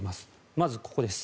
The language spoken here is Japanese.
まず、ここです。